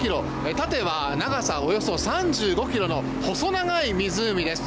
縦は長さおよそ３５ｋｍの細長い湖です。